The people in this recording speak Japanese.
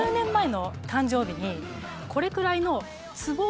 これくらいの。